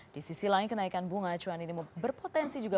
di sisi lain kenaikan bunga acuan ini berpotensi juga